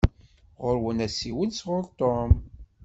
Ɣuṛ-wen asiwel sɣuṛ Tom.